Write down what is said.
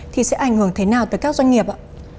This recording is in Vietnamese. thì sẽ ảnh hưởng thế nào tới các doanh nghiệp ạ